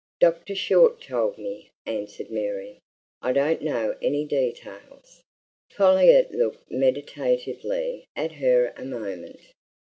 "Dr. Short told me," answered Mary. "I don't know any details." Folliot looked meditatively at her a moment.